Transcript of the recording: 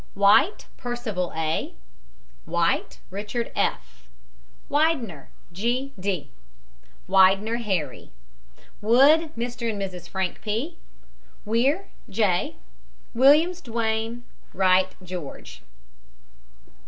WHITE, PERCIVAL A. WHITE, RICHARD F. WIDENER, G. D. WIDENER, HARRY. WOOD, MR. AND MRS. FRANK P. WEIR, J. WILLIAMS, DUANE. WRIGHT, GEORGE.